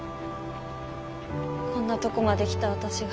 こんなとこまで来た私が。